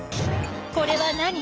これは何？